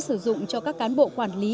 sử dụng cho các cán bộ quản lý